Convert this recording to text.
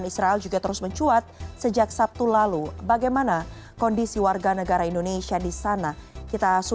selamat sore di indonesia